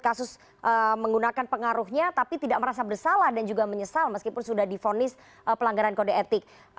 kasus menggunakan pengaruhnya tapi tidak merasa bersalah dan juga menyesal meskipun sudah difonis pelanggaran kode etik